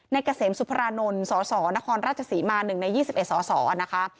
เกษมสุพรานนท์สสนครราชศรีมา๑ใน๒๑สสนะคะ